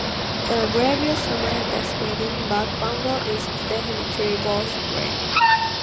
The review summed up stating, "Buck Bumble" is definitely worth playing.